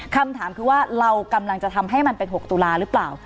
คำถามคือว่าเรากำลังจะทำให้มันเป็น๖ตุลาหรือเปล่า